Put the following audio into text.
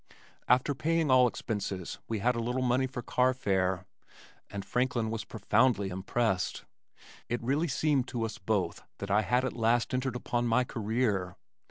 After paying all expenses we had a little money for carfare, and Franklin was profoundly impressed. It really seemed to us both that I had at last entered upon my career.